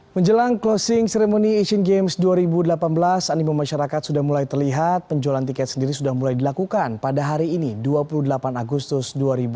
menjelang closing ceremony asian games dua ribu delapan belas animum masyarakat sudah mulai terlihat penjualan tiket sendiri sudah mulai dilakukan pada hari ini dua puluh delapan agustus dua ribu delapan belas